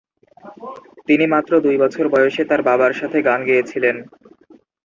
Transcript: তিনি মাত্র দুই বছর বয়সে তার বাবার সাথে গান গেয়েছিলেন।